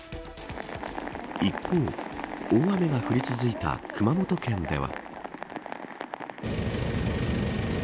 一方、大雨が降り続いた熊本県では。